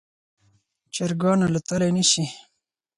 چرګان الوتلی نشي